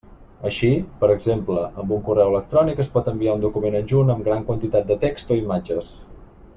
Així, per exemple, amb un correu electrònic es pot enviar un document adjunt amb gran quantitat de text o imatges.